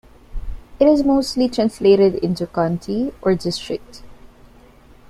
It is mostly translated into "county" or "district".